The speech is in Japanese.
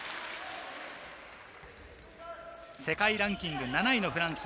世界ランキング７位のフランス。